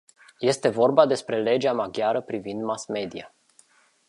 Este vorba despre legea maghiară privind mass-media.